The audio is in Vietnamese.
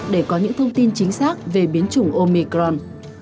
để có những thông tin chính xác về biến chủng omicron